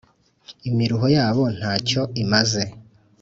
imiruho yabo nta cyo imaze,